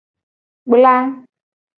Kpla.